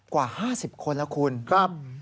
กว่า๕๐คนแล้วคุณครับ